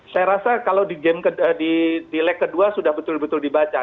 saya rasa kalau di lag kedua sudah betul betul dibaca